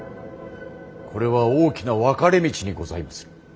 これは大きな分かれ道にございまする。